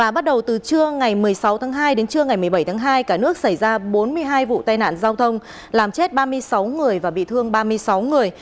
bắt đầu từ trưa ngày một mươi sáu tháng hai đến trưa ngày một mươi bảy tháng hai cả nước xảy ra bốn mươi hai vụ tai nạn giao thông làm chết ba mươi sáu người và bị thương ba mươi sáu người